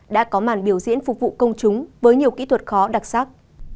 đã có màn biểu diễn phục vụ công chúng với nhiều kỹ thuật khó đặc sắc